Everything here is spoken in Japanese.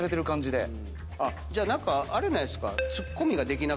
じゃ何かあれないっすか？